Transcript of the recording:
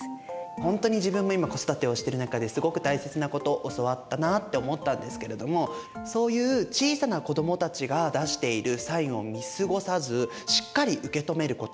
ほんとに自分も今子育てをしている中ですごく大切なこと教わったなって思ったんですけれどもそういう小さな子どもたちが出しているサインを見過ごさずしっかり受け止めること。